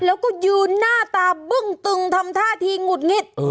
แล้วก็ยืนหน้าตาบึ้งตึงทำท่าทีหงุดหงิด